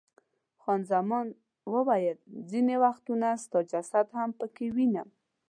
خان زمان وویل، ځیني وختونه ستا جسد هم پکې وینم.